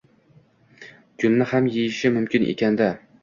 gulni ham yeyishi mumkin ekanda?